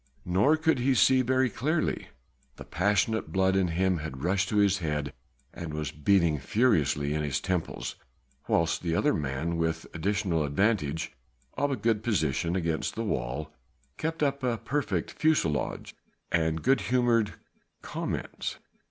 Nor could he see very clearly: the passionate blood in him had rushed to his head and was beating furiously in his temples, whilst the other man with the additional advantage of a good position against the wall, kept up a perfect fusillade of good humoured comments.